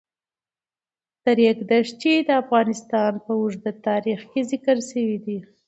د ریګ دښتې د افغانستان په اوږده تاریخ کې ذکر شوی دی.